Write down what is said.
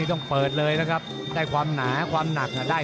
ต้องเปิดเลยนะครับได้ความหนาความหนักได้